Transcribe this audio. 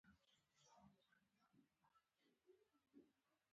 په کورنۍ کې د ماشومانو ښې روزنې ته پام کول ګټور دی.